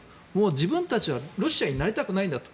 自分たちはロシアになりたくないんだと。